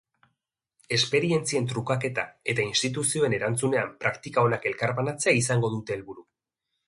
Esperientzien trukaketa eta instituzioen erantzunean praktika onak elkarbanatzea izango dute helburu.